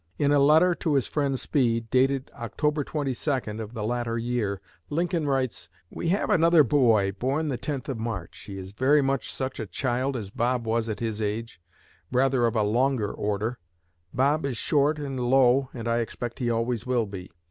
In a letter to his friend Speed, dated October 22 of the latter year, Lincoln writes: "We have another boy, born the 10th of March. He is very much such a child as Bob was at his age, rather of a longer order. Bob is 'short and low,' and I expect he always will be.